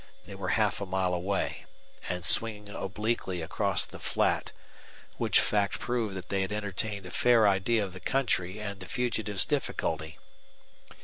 They were half a mile away, and swinging obliquely across the flat, which fact proved that they had entertained a fair idea of the country and the fugitive's difficulty.